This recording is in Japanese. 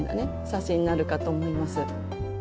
写真になるかと思います。